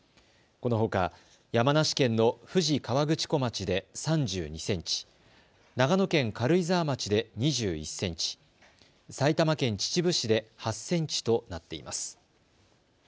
このほか山梨県の富士河口湖町で３２センチ、長野県軽井沢町で２１センチ、埼玉県秩父市で８センチとなっています。